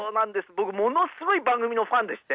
僕ものすごい番組のファンでして。